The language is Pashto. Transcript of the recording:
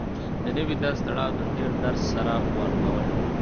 د نوي درس تړاو د تېر درس سره ورکول